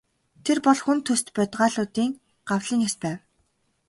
Тэр бол хүн төст бодгалиудын гавлын яс байв.